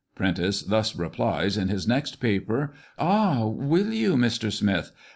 Prentice thus replies in his next paper: "Ah! Will you, Mr. Smith ?